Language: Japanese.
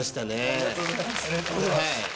ありがとうございます。